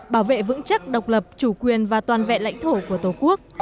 bảo vệ vững chắc độc lập chủ quyền và toàn vẹn lãnh thổ của tổ quốc